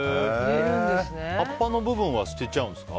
葉っぱの部分は捨てちゃうんですか？